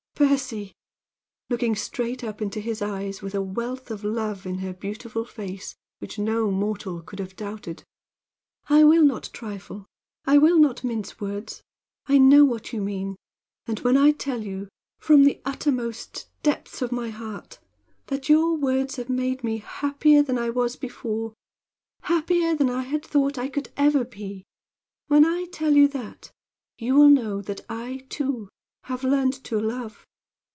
"Percy," looking straight up into his eyes, with a wealth of love in her beautiful face which no mortal could have doubted "I will not trifle; I will not mince words. I know what you mean; and when I tell you, from the uttermost depths of my heart, that your words have made me happier than I was before happier than I had thought I could ever be when I tell you that, you will know that I, too, have learned to love.